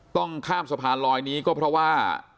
ต้องข้ามสะพานลอยนี้ก็เพราะว่า